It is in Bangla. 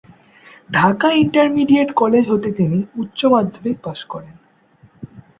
ঢাকা ইন্টারমিডিয়েট কলেজ হতে তিনি উচ্চ মাধ্যমিক পাশ করেন।